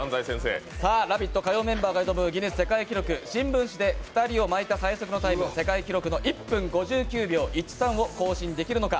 「ラヴィット！」、火曜メンバーの記録、「新聞紙で２人を巻いた最速のタイム」、世界記録の１分５９秒１３を更新できるのか。